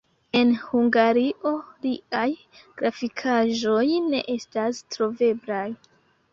En Hungario liaj grafikaĵoj ne estas troveblaj.